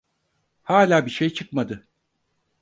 Hala bir şey çıkmadı…